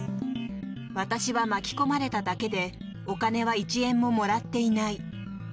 私は巻き込まれただけでお金は１円ももらっていない。